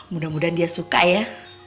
mudah mudahan dia suka ya